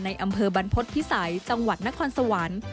อำเภอบรรพฤษภิษัยจังหวัดนครสวรรค์